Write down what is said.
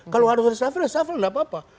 kalau harus ada syafir ya syafir tidak apa apa